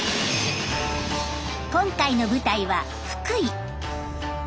今回の舞台は福井。